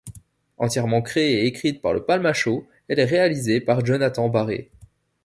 Entièrement créée et écrite par le Palmashow, elle est réalisée par Jonathan Barré.